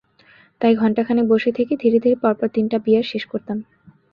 তাই ঘণ্টাখানেক বসে থেকে ধীরে ধীরে পরপর তিনটা বিয়ার শেষ করতাম।